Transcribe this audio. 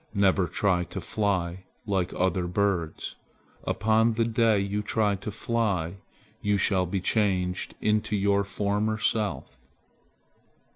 Never try to fly like other birds. Upon the day you try to fly you shall be changed into your former self."